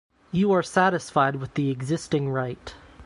You are satisfied with the existing right.